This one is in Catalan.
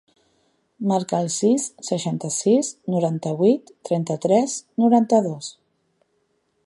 Marca el sis, seixanta-sis, noranta-vuit, trenta-tres, noranta-dos.